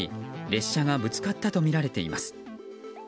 列車がぶつかったとみられています。